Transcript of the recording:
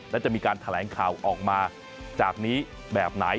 และจะมีการแถลงข่าวออกมาจากนี้แบบไหน